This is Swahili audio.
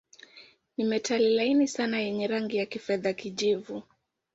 Ni metali laini sana yenye rangi ya kifedha-kijivu.